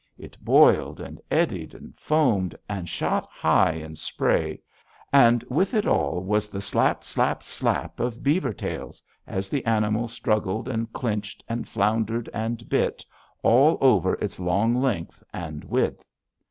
It boiled, and eddied, and foamed, and shot high in spray, and with it all was the slap! slap! slap! of beaver tails as the animals struggled and clinched, and floundered and bit, all over its long length and width.